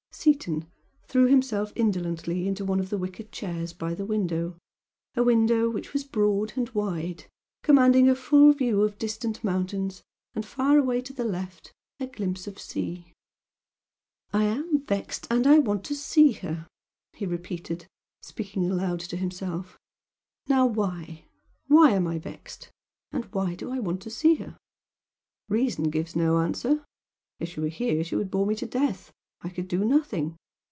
Seaton threw himself indolently into one of wicker chairs by the window a window which was broad and wide, commanding a full view of distant mountains, and far away to the left a glimpse of sea. "I am vexed, and I want to see her" he repeated, speaking aloud to himself "Now WHY? Why am I vexed? and why do I want to see her? Reason gives no answer! If she were here she would bore me to death. I could do nothing.